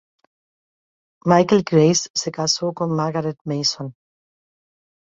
Michael Grace se casó con Margaret Mason.